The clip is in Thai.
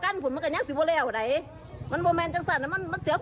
ให้อภัยในใครไม่ได้หรอกค่ะ